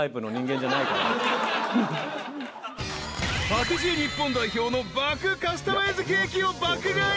［パティシエ日本代表の爆カスタマイズケーキを爆買い］